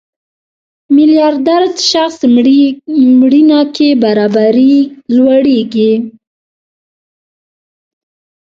میلیاردر شخص مړینه کې نابرابري لوړېږي.